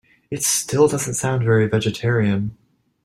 It still doesn’t sound very vegetarian.